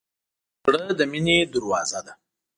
زړه د مینې دروازه ده.